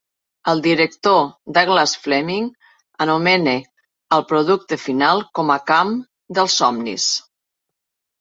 El director Douglas Fleming anomena al producte final com a camp dels somnis.